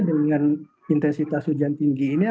dengan intensitas hujan tinggi ini